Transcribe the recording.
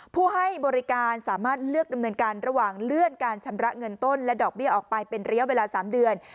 ผู้ให้บริการสามารถเลือกดำเนินการระหว่างเลื่อนการชำระเงินต้นและดอกเบี้ยออกไปเป็นระยะเวลา๓เดือน